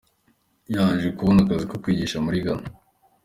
Yaje kubona akazi ko kwigisha muri Ghana.